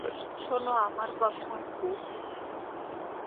শোন আমার কথা।